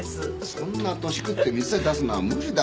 そんな年くって店出すのは無理だよ